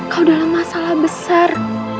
kau dalam masalah besar